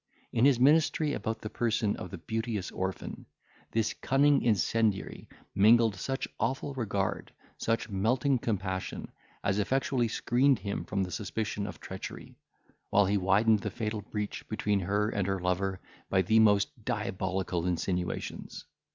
In his ministry about the person of the beauteous orphan, this cunning incendiary mingled such awful regard, such melting compassion, as effectually screened him from the suspicion of treachery, while he widened the fatal breach between her and her lover by the most diabolical insinuations.